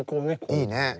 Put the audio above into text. いいね。